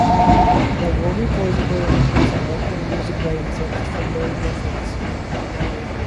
The ovipositor is an organ used by insects for laying of eggs.